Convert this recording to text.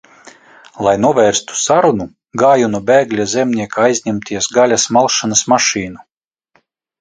Lai novērstu sarunu, gāju no bēgļa Zemnieka aizņemties gaļas malšanas mašīnu.